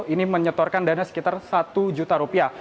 ini menyetorkan dana sekitar satu juta rupiah